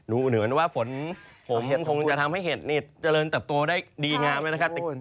ดูเหนือนว่าฝนผมคงจะทำให้เห็ดเนี่ยเจริญตับตัวได้ดีงามเลยนะครับ